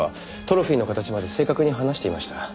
トロフィーの形まで正確に話していました。